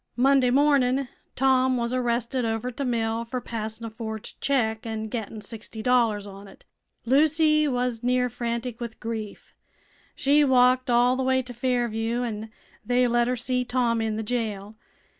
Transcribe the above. Monday mornin' Tom was arrested over t' the mill fer passin' a forged check an' gettin' sixty dollars on it. Lucy was near frantic with grief. She walked all the way to Fairview, an' they let her see Tom in the jail.